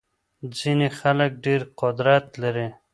ځينې خلګ ډېر قدرت لري.